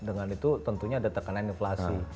dengan itu tentunya ada tekanan inflasi